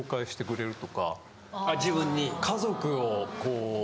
自分に？